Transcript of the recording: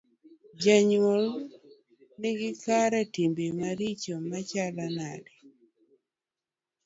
jonyuol nigo kara timbegi richo machalo nade?